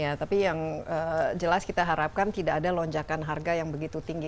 ya tapi yang jelas kita harapkan tidak ada lonjakan harga yang begitu tinggi